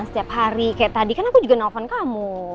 setiap hari kayak tadi kan aku juga nelfon kamu